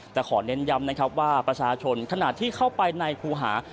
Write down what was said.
แต่ขอเน้นย้ำนะครับว่าประชาชนขณะที่เข้าไปในครูหา